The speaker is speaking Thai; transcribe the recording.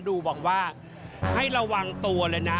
ดูบอกว่าให้ระวังตัวเลยนะ